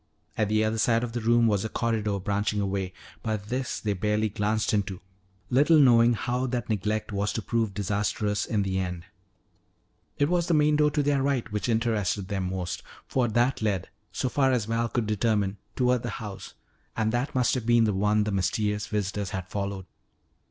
At the other side of the room was a corridor branching away. But this they barely glanced into, little knowing how that neglect was to prove disastrous in the end. It was the main door to their right which interested them most, for that led, so far as Val could determine, toward the house. And that must have been the one the mysterious visitors had followed.